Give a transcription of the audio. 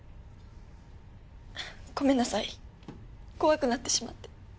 ごめんなさい怖くなってしまって。